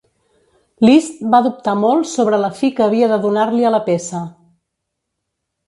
Liszt va dubtar molt sobre la fi que havia de donar-li a la peça.